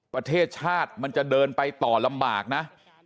ประเทศชาติมันจะเดินไปต่อลำบากนะ